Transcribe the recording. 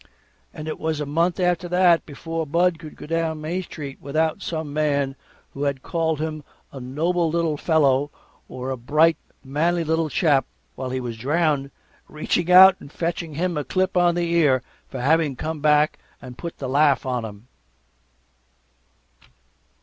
And it was a month after that before Bud could go down Main Street without some man who had called him a noble little fellow, or a bright, manly little chap, while he was drowned, reaching out and fetching him a clip on the ear for having come back and put the laugh on him.